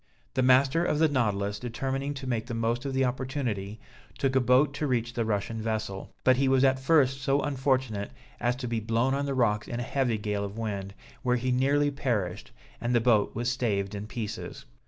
The master of the Nautilus determining to make the most of the opportunity, took a boat to reach the Russian vessel; but he was at first so unfortunate as to be blown on the rocks in a heavy gale of wind, where he nearly perished, and the boat was staved in pieces.